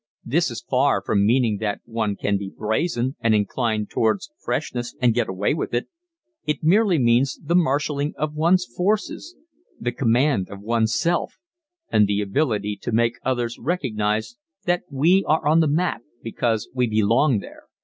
This is far from meaning that one can be brazen and inclined towards freshness and get away with it. It merely means the marshalling of one's forces, the command of one's self and the ability to make others recognize that we are on the map because we belong there.